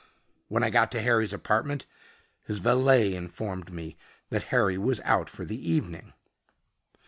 When I got to Harry's apartment, his valet informed me that Harry was out for the evening."